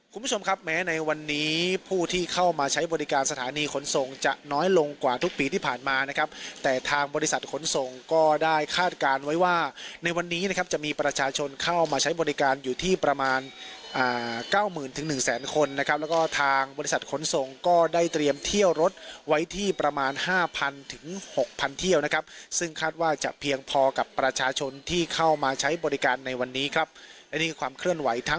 คุณผู้ชมครับแม้ในวันนี้ผู้ที่เข้ามาใช้บริการสถานีขนส่งจะน้อยลงกว่าทุกปีที่ผ่านมานะครับแต่ทางบริษัทขนส่งก็ได้คาดการณ์ไว้ว่าในวันนี้นะครับจะมีประชาชนเข้ามาใช้บริการอยู่ที่ประมาณก้าวหมื่นถึงหนึ่งแสนคนนะครับแล้วก็ทางบริษัทขนส่งก็ได้เตรียมเที่ยวรถไว้ที่ประมาณห้าพันถึงหกพันเท